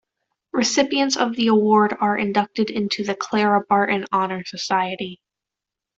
Recipients of the award are inducted into the Clara Barton Honor Society.